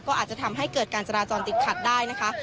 ก็อาจจะทำให้เกิดการจราจรติดขัดได้นะคะ